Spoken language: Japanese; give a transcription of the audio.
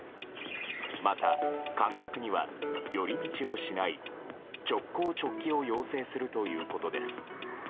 また、観客には寄り道をしない直行直帰を要請するということです。